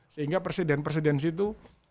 sehingga presiden presiden situ